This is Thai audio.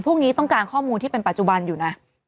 พวกนี้ต้องการข้อมูลที่เป็นปัจจุบันอยู่นะ